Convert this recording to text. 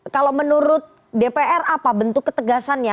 kalau menurut dpr apa bentuk ketegasannya